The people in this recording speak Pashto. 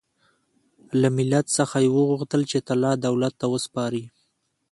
له ملت څخه یې وغوښتل چې طلا دولت ته وسپاري.